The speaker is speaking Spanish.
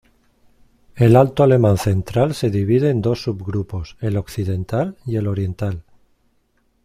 El alto alemán central se divide en dos subgrupos: el occidental y el oriental.